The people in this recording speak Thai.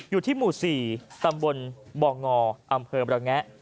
อยู่ที่หมู่๔ตำบลบ่องออำเภอมระแงะ